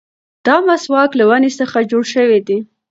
دا مسواک له ونې څخه جوړ شوی دی.